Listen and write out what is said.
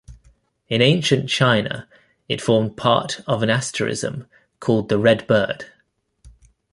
In ancient China it formed part of an asterism called the "red bird".